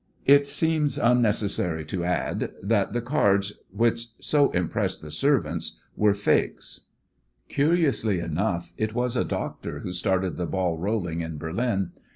It seems unnecessary to add that the cards which so impressed the servants were fakes. Curiously enough, it was a doctor who started the ball rolling in Berlin.